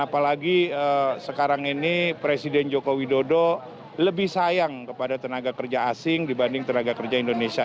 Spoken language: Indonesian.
apalagi sekarang ini presiden joko widodo lebih sayang kepada tenaga kerja asing dibanding tenaga kerja indonesia